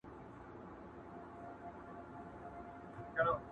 د مسافر جانان کاغذه،